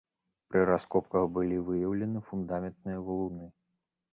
Пры раскопках былі выяўлены фундаментныя валуны.